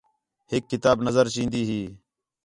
ہِک کتاب نظر چین٘دی ہِے